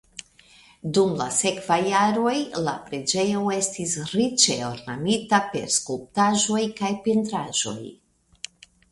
Dum la sekvaj jaroj la preĝejo estis riĉe ornamita per skulptaĵoj kaj pentraĵoj.